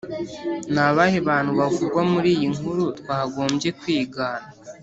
Ni abahe bantu bavugwa muri iyi nkuru twagombye kwigana